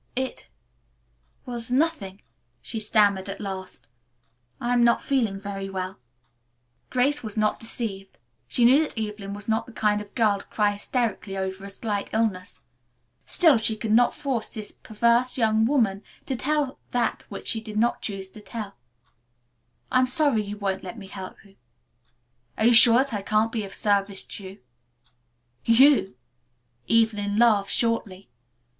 "It was nothing," she stammered, at last. "I am not feeling very well." Grace was not deceived. She knew that Evelyn was not the kind of girl to cry hysterically over a slight illness. Still she could not force this perverse young woman to tell that which she did not choose to tell. "I am sorry you won't let me help you. Are you sure that I can't be of service to you." "You." Evelyn laughed shortly.